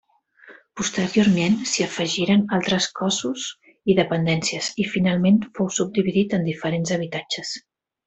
Posteriorment s'hi afegiren altres cossos i dependències i finalment fou subdividit en diferents habitatges.